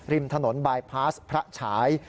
ริมถนนบายพาสพระฉาย